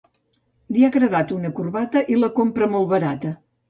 li ha agradat una corbata i la compra molt barata